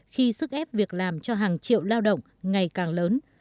khi sức ép việc làm cho hàng triệu lao động ngày càng lớn